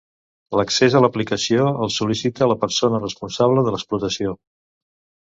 L'accés a l'aplicació el sol·licita la persona responsable de l'explotació.